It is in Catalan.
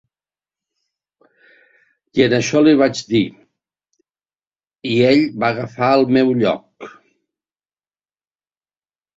I en això li vaig dir, i ell va agafar el meu lloc.